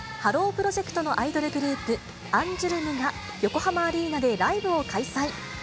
プロジェクトのアイドルグループ、アンジュルムが、横浜アリーナでライブを開催。